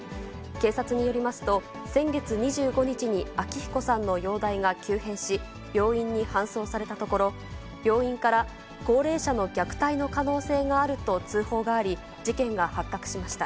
警察によりますと、先月２５日に昭彦さんの容体が急変し、病院に搬送されたところ、病院から高齢者の虐待の可能性があると通報があり、事件が発覚しました。